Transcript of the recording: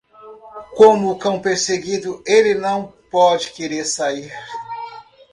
Como o cão perseguido, ele não pode querer sair.